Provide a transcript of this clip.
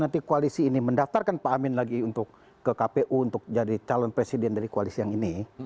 nanti koalisi ini mendaftarkan pak amin lagi untuk ke kpu untuk jadi calon presiden dari koalisi yang ini